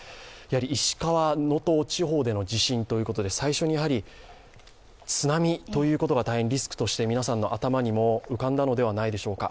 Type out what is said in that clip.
石川・能登地方での地震ということで最初に津波ということが大変リスクとして皆さんの頭にも浮かんだのではないでしょうか、